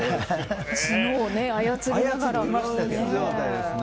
角を操りながらね。